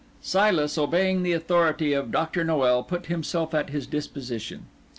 Silas, obeying the authority of Doctor Noel, put himself at his disposition.